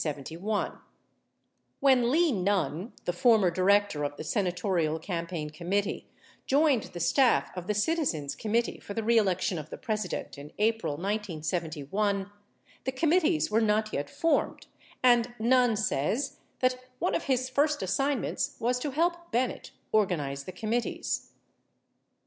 14 When Lee Nunn (the former director of the Senatorial Campaign Committee) joined the staff of the Citizens Com mitee for the Re Election of the President in April 1971, the com mittees were not yet formed, and Nunn says that one of his first assignments was to help Bennett organize the committees.